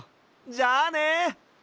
じゃあね！